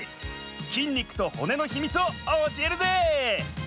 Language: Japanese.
筋肉と骨のヒミツをおしえるぜ！